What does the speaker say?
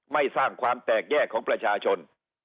ไม่สร้างความแตกแยกของประชาชน